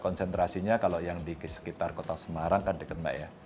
konsentrasinya kalau yang di sekitar kota semarang kan dekat mbak ya